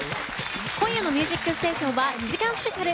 今夜の「ミュージックステーション」は２時間スペシャル。